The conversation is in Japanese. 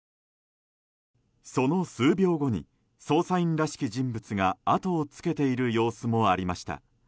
その数秒後に捜査員らしき人物が後をつけている様子もありました。